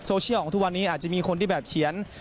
โซเชียลของทุกวันนี้อาจจะมีคนที่แบบเขียน